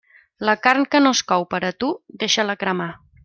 La carn que no es cou per a tu, deixa-la cremar.